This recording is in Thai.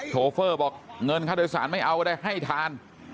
โชเฟอร์บอกเงินค่าโดยสารไม่เอาก็ได้ให้ทาน